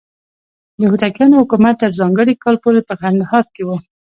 د هوتکیانو حکومت تر ځانګړي کال پورې په کندهار کې و.